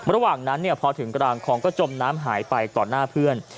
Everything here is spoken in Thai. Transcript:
ระหว่างนั้นพอถึงกลางคลองก็จมน้ำหายไปต่อหน้าเพื่อน